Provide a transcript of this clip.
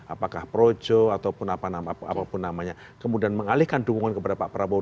apakah projo ataupun apapun namanya kemudian mengalihkan dukungan kepada pak prabowo